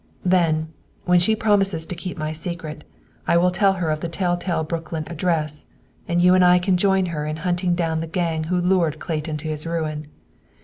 "Then, when she promises to keep my secret, I will tell her of the tell tale Brooklyn address, and you and I can join her in hunting down the gang who lured Clayton to his ruin.